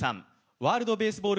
ワールドベースボール